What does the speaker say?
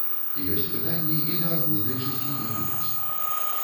Ёсць пытанні і да агульнай чысціні вуліц.